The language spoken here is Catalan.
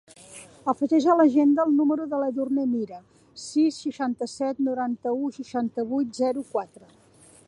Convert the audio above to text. Afegeix a l'agenda el número de l'Edurne Mira: sis, seixanta-set, noranta-u, seixanta-vuit, zero, quatre.